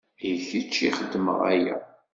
I kečč i xedmeɣ aya.